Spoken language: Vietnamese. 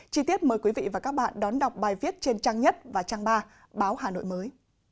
chi tiết mời quý vị và các bạn đón đọc bài viết trên trang nhất và trang ba báo hà nội mới